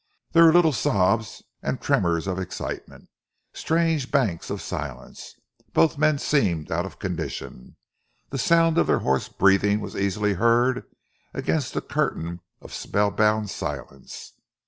There were little sobs and tremors of excitement, strange banks of silence. Both men seemed out of condition. The sound of their hoarse breathing was easily heard against the curtain of spellbound silence.